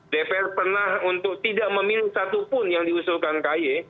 dpr pernah untuk tidak memilih satupun yang diusulkan ky